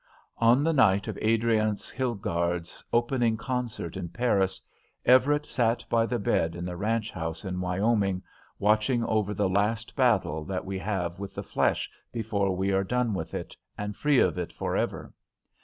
On the night of Adriance Hilgarde's opening concert in Paris, Everett sat by the bed in the ranch house in Wyoming, watching over the last battle that we have with the flesh before we are done with it and free of it for ever.